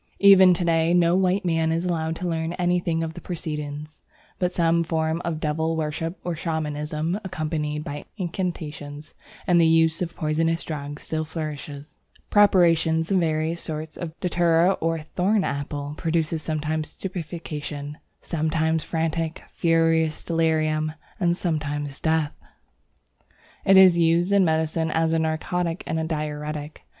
Even to day no white man is allowed to learn anything of the proceedings, but some form of devil worship or Shamanism, accompanied by incantations and the use of poisonous drugs, still flourishes. Preparations of various sorts of Datura or Thorn apple produce sometimes stupefaction, sometimes frantic, furious delirium, and sometimes death. It is used in medicine as a narcotic and diuretic.